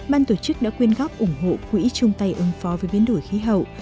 ban tổ chức đã quyên góp ủng hộ quỹ chung tay ứng phó với biến đổi khí hậu